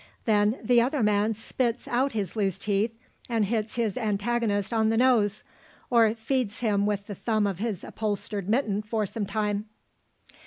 Then the other man spits out his loose teeth and hits his antagonist on the nose, or feeds him with the thumb of his upholstered mitten for some time.